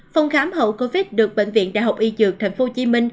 phòng khám hậu covid được bệnh viện đại học y dược tp hcm